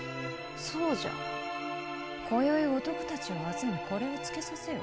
そうじゃ今宵男たちを集めこれをつけさせよ。